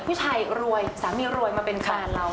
ผู้ชายรวยสามีรวยมาเป็นแฟนเรา